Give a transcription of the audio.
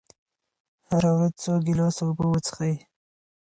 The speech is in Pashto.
هره ورځ څو ګیلاسه اوبه وڅښئ.